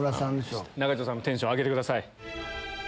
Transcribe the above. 中条さんのテンション上げてください。